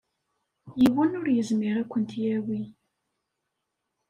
Yiwen ur yezmir ad kent-yawi.